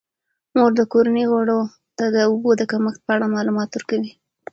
مور د کورنۍ غړو ته د اوبو د کمښت په اړه معلومات ورکوي.